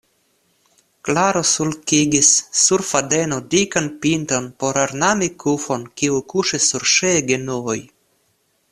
Klaro sulkigis sur fadeno dikan pinton por ornami kufon, kiu kuŝis sur ŝiaj genuoj.